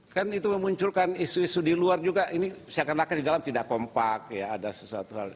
kan itu memunculkan isu isu di luar juga ini saya kira di dalam tidak kompak ada sesuatu